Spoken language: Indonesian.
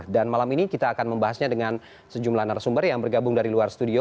dan malam ini kita akan membahasnya dengan sejumlah narasumber yang bergabung dari luar studio